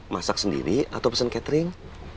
masak sendiri atau pesan catering